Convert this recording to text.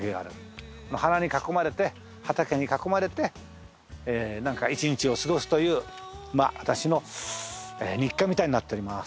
花に囲まれて畑に囲まれて一日を過ごすという私の日課みたいになっております。